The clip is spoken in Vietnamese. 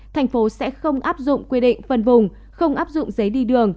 thành phố sẽ không áp dụng quy định phân vùng không áp dụng giấy đi đường